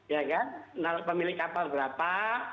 ya kan pemilik kapal berapa